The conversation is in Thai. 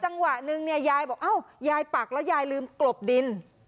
จังหวะนึงเนี่ยยายบอกอ้าวยายปักแล้วยายลืมกลบดิน